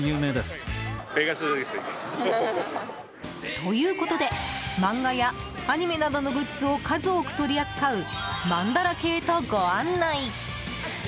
ということで漫画やアニメなどのグッズを数多く取り扱うまんだらけへと、ご案内。